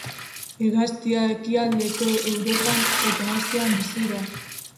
Hegaztia ekialdeko Europan eta Asian bizi da.